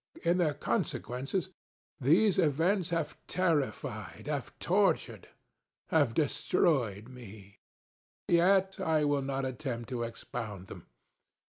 In their consequences, these events have terrifiedŌĆöhave torturedŌĆöhave destroyed me. Yet I will not attempt to expound them.